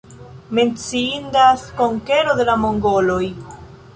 Menciindas konkero de la mongoloj.